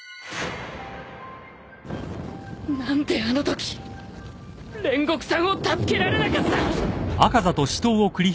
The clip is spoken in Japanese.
何であのとき煉獄さんを助けられなかった！！